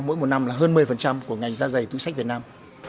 mỗi một năm là hơn một mươi của ngành da giày túi sách việt nam